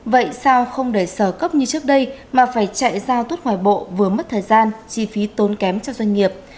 vậy sao không để sở cấp như trước đây mà phải chạy giao thoát ngoài bộ vừa mất thời gian chi phí tốn kém cho doanh nghiệp